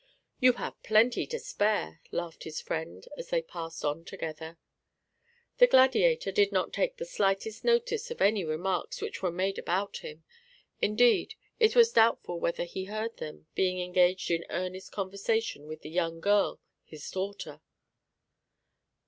"You have plenty to spare!" laughed his friend, as they passed on together. The gladiator did not take the slightest notice of any remarks which were made about him; indeed, it was doubtful whether he heard them, being engaged in earnest conversation with the young girl, his daughter.